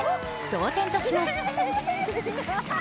同点とします。